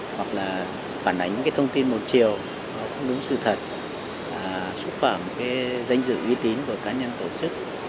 hoặc là phản ánh những cái thông tin một chiều nó không đúng sự thật xúc phạm danh dự uy tín của cá nhân tổ chức